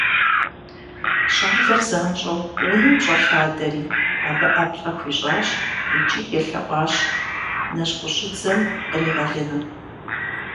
ЩӀалэр занщӀэу унэм щӀэлъадэри абы ӀэплӀэ хуищӀащ икӀи елъэӀуащ нэжьгъущӀыдзэм къригъэлыну.